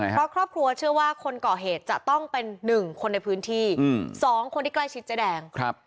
เพราะครอบครัวเชื่อว่าคนก่อเหตุจะต้องเป็น๑คนในพื้นที่๒คนที่ใกล้ชิดเจ๊แดง